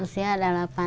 usia ada delapan puluh dua